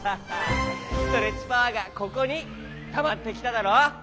ストレッチパワーがここにたまってきただろう？